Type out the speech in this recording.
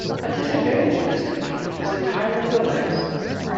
A disadvantage to this technique is the tiring of the legs.